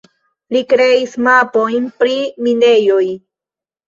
Li kreis mapojn pri minejoj.